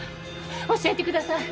教えてください。